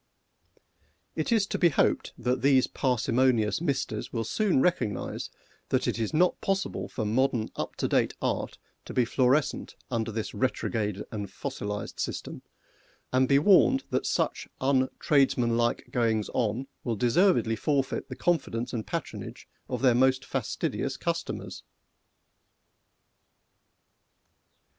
It is to be hoped that these parsimonious Misters will soon recognise that it is not possible for modern up to date Art to be florescent under this retrograde and fossilized system, and be warned that such untradesmanlike goings on will deservedly forfeit the confidence and patronage of their most fastidious customers.